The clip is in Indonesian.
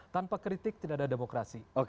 tanpa kritik tidak ada demokrasi